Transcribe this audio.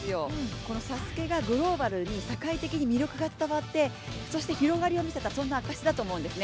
このＳＡＳＵＫＥがグローバルに社会的に魅力が伝わって、そして広がりを見せた証しだと思うんですよね。